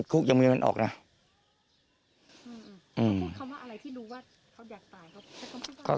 เขาพูดคำว่าอะไรที่รู้ว่าเขาอยากตาย